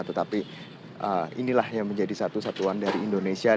tetapi inilah yang menjadi satu satuan dari indonesia